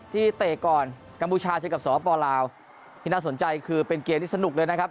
เตะก่อนกัมพูชาเจอกับสปลาวที่น่าสนใจคือเป็นเกมที่สนุกเลยนะครับ